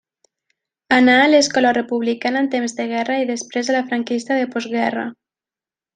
Anà a l’escola republicana en temps de guerra i després a la franquista de postguerra.